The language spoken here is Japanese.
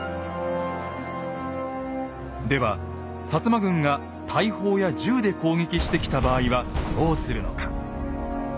では摩軍が大砲や銃で攻撃してきた場合はどうするのか。